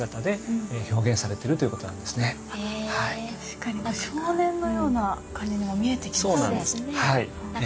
確かに少年のような感じにも見えてきますね。